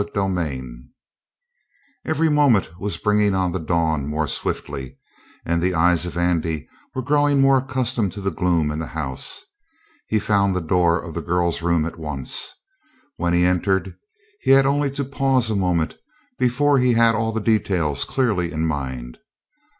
CHAPTER 7 Every moment was bringing on the dawn more swiftly, and the eyes of Andy were growing more accustomed to the gloom in the house. He found the door of the girl's room at once. When he entered he had only to pause a moment before he had all the details clearly in mind.